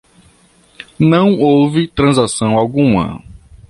Não houve transação alguma.